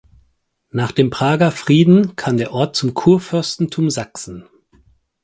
Nach dem Prager Frieden kam der Ort zum Kurfürstentum Sachsen.